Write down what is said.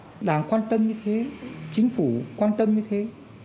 chính phủ quan tâm như thế chính phủ quan tâm như thế